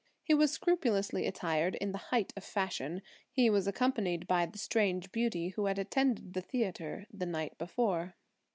He was scrupulously attired in the height of fashion. He was accompanied by the strange beauty who had attended the theatre the night before.